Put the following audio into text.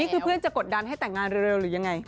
เพื่อนจะกดดันให้แต่งงานเร็วหรือยังไง